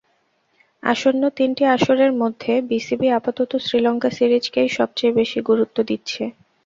আসন্ন তিনটি আসরের মধ্যে বিসিবি আপাতত শ্রীলঙ্কা সিরিজকেই সবচেয়ে বেশি গুরুত্ব দিচ্ছে।